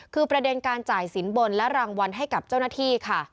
คือประเด็นการจ่ายสินบนและรางวัลให้กับเจ้าหน้าที่ค่ะ